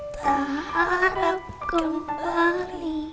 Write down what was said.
tak harap kembali